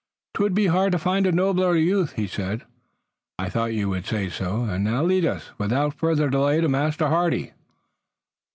"'Twould be hard to find a nobler youth," he said. "I thought you would say so, and now lead us, without further delay, to Master Hardy."